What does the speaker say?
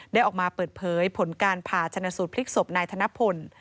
ได้ออกมาเปิดเผยผลการผ่าชนะสูตรพลิกศพนายธนพล